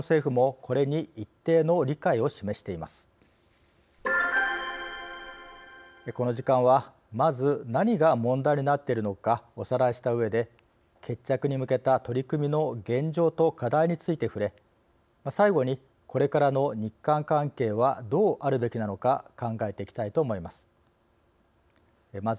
この時間はまず、何が問題になっているのかおさらいしたうえで決着に向けた取り組みの現状と課題について触れ最後に、これからの日韓関係はどうあるべきなのか考えていきたいと思います。